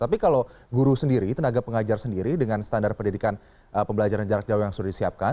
tapi kalau guru sendiri tenaga pengajar sendiri dengan standar pendidikan pembelajaran jarak jauh yang sudah disiapkan